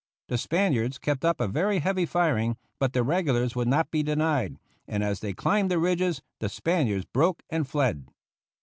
The Spaniards kept up a very heavy firing, but the regulars would not be denied, and as they climbed the ridges the Spaniards broke and fled.